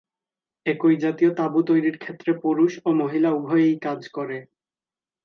এই জাতীয় তাঁবু তৈরির ক্ষেত্রে পুরুষ এবং মহিলা উভয়েই কাজ করে।